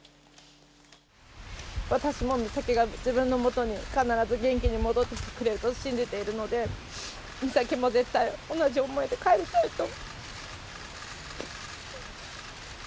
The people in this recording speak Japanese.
私も美咲が自分の元に必ず元気に戻ってきてくれると信じているので、美咲も絶対同じ思いで帰りたいと。